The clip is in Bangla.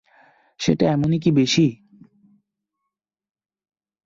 সেটা এমনিই কি বেশি?